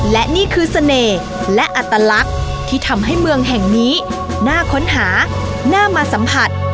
และนี่คือเสน่ห์และอัตลักษณ์ที่ทำให้เมืองแห่งนี้น่าค้นหาน่ามาสัมผัส